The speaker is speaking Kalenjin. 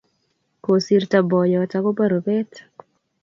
Kosirto boyot akobo rupet